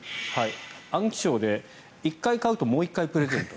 安徽省で１階買うともう１階プレゼント。